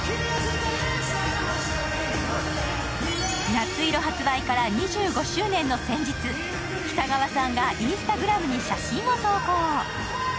「夏色」発売から２５周年の先日、北川さんがＩｎｓｔａｇｒａｍに写真を投稿。